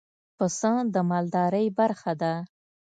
پسه د مالدارۍ برخه ده.